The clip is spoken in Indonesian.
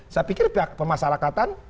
saya pikir pihak pemasarakatan